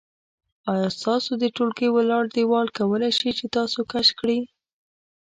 آیا ستاسو د ټولګي ولاړ دیوال کولی شي چې تاسو کش کړي؟